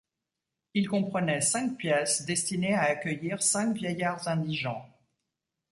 Il comprenait cinq pièces destinées à accueillir cinq vieillards indigents.